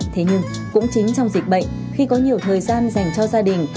thế nhưng cũng chính trong dịch bệnh khi có nhiều thời gian dành cho gia đình